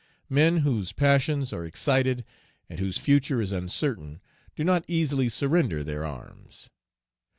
Men, whose passions are excited, and whose future is uncertain, do not easily surrender their arms.